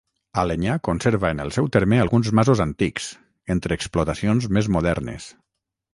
Alenyà conserva en el seu terme alguns masos antics, entre explotacions més modernes.